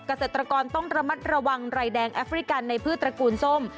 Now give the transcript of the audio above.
เกษตรกรต้องระมัดระวังรายแดงแอฟริกันในพืชตระกูลส้ม